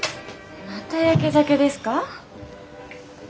またやけ酒ですか？